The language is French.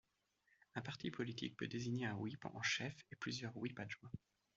Un parti politique peut désigner un whip en chef et plusieurs whips adjoints.